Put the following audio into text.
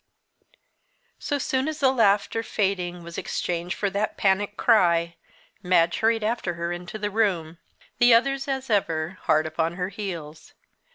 So soon as the laughter, fading, was exchanged for that panic cry, Madge hurried after her into the room the others, as ever, hard upon her heels.